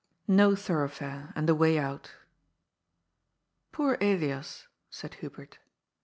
KO THOEOUGHFABB, AND THE WAT OUT. « Poor Elias !" said Hubert.